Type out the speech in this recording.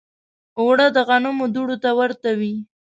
اوړه د غنمو دوړو ته ورته وي